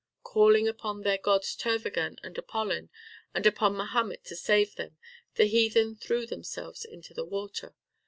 Calling upon their gods Tervagan and Apollin and upon Mahomet to save them, the heathen threw themselves into the water.